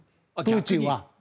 プーチンは。